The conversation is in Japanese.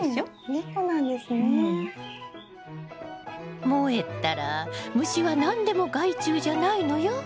いい子なんですね。もえったら虫は何でも害虫じゃないのよ。